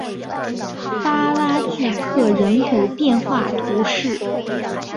巴拉聚克人口变化图示